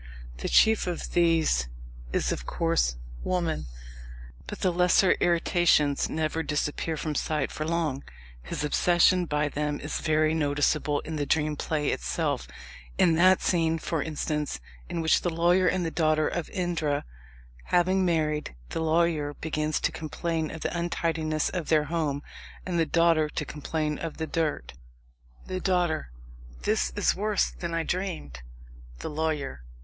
The chief of these is, of course, woman. But the lesser irritations never disappear from sight for long. His obsession by them is very noticeable in The Dream Play itself in that scene, for instance, in which the Lawyer and the daughter of Indra having married, the Lawyer begins to complain of the untidiness of their home, and the Daughter to complain of the dirt: THE DAUGHTER. This is worse than I dreamed! THE LAWYER.